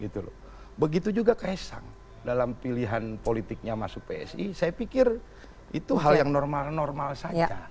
begitu loh begitu juga kaisang dalam pilihan politiknya masuk psi saya pikir itu hal yang normal normal saja